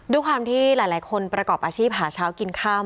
ด้วยความที่หลายคนประกอบอาชีพหาเช้ากินค่ำ